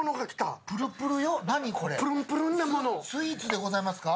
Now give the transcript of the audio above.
スイーツでございますか？